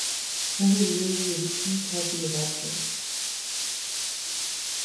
Only the early editions have the adapters.